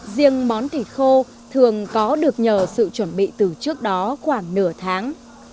riêng món thịt khô thường có được nhờ sự chuẩn bị từ trước đó khoảng nửa tháng